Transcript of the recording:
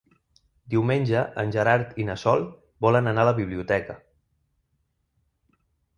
Diumenge en Gerard i na Sol volen anar a la biblioteca.